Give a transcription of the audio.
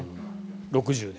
６０年。